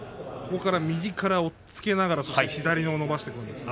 右から押っつけながら左を伸ばしていくんですね。